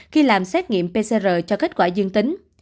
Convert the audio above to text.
khi làm xét nghiệm pcr cho kết quả dương tính